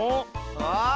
ああ！